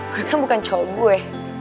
gue kan bukan cowok gue